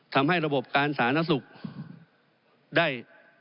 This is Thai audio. ทำให้ระบบการศาลนักศึกษ์ได้